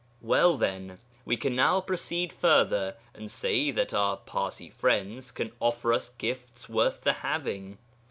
Well, then, we can now proceed further and say that our Parsi friends can offer us gifts worth the having.